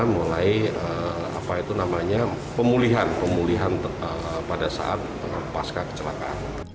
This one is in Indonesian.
mulai apa itu namanya pemulihan pemulihan pada saat pasca kecelakaan